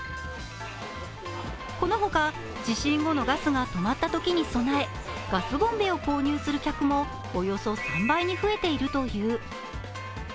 この他、地震後のガスが止まったときに備えガスボンベを購入する客もおよそ３倍に増えているという。